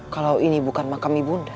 kalau ini bukan makami bunda